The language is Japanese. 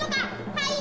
はい！